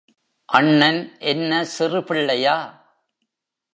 அண்ணன் என்ன சிறு பிள்ளையா?